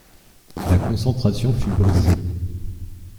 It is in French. La concentration fut brisée.